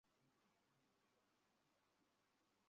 ঘটনার সময় পাশের বাড়ির একজন দেখে চিৎকার করায় বেঁচে যায় পূজা।